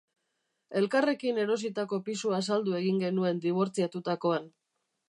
Elkarrekin erositako pisua saldu egin genuen dibortziatutakoan.